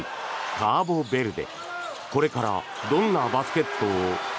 カボベルデ